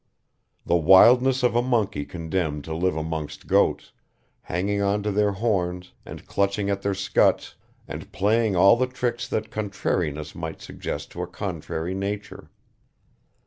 The wildness of a monkey condemned to live amongst goats, hanging on to their horns, and clutching at their scuts, and playing all the tricks that contrariness might suggest to a contrary nature.